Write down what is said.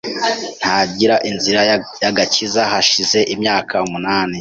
ntangira inzira y’agakiza hashize imyaka umunani,